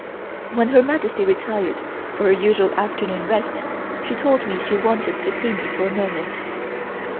When Her Majesty retired for her usual afternoon rest she told me she wanted to see me for a moment.